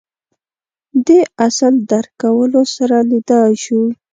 دې اصل درک کولو سره لیدلای شو